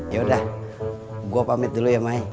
yaudah gue pamit dulu ya mai